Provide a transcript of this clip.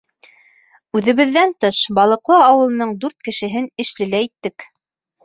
Үҙебеҙҙән тыш, Балыҡлы ауылының дүрт кешеһен эшле лә иттек.